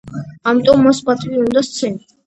ამიტომ მას პატივი უნდა სცენ.